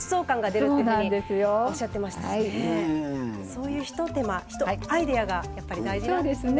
そういう一手間ひとアイデアがやっぱり大事なんですね。